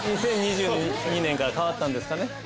２０２２年から変わったんですかね。